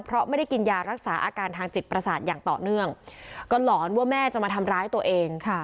เพราะไม่ได้กินยารักษาอาการทางจิตประสาทอย่างต่อเนื่องก็หลอนว่าแม่จะมาทำร้ายตัวเองค่ะ